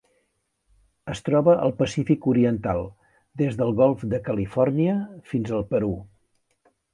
Es troba al Pacífic oriental: des del Golf de Califòrnia fins al Perú.